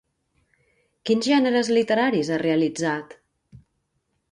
Quins gèneres literaris ha realitzat?